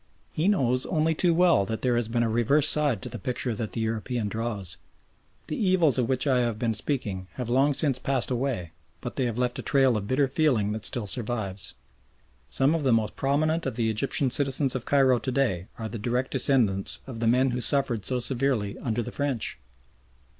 He knows only too well that there has been a reverse side to the picture that the European draws. The evils of which I have been speaking have long since passed away, but they have left a trail of bitter feeling that still survives. Some of the most prominent of the Egyptian citizens of Cairo to day are the direct descendants of the men who suffered so severely under the French.